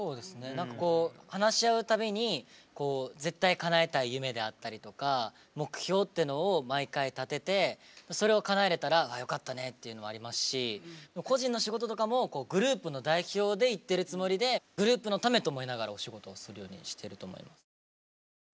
何かこう話し合う度にこう絶対かなえたい夢であったりとか目標ってのを毎回立ててそれをかなえれたら「よかったね」っていうのもありますし個人の仕事とかもグループの代表で行ってるつもりでグループのためと思いながらお仕事をするようにしていると思います。